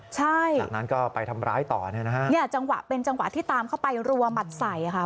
ใช่จากนั้นก็ไปทำร้ายต่อเนี่ยนะฮะเนี่ยจังหวะเป็นจังหวะที่ตามเข้าไปรัวหมัดใส่ค่ะ